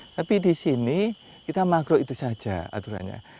tapi di sini kita makro itu saja aturannya